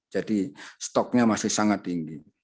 jadi stoknya masih sangat tinggi